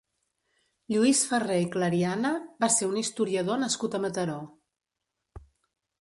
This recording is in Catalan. Lluís Ferrer i Clariana va ser un historiador nascut a Mataró.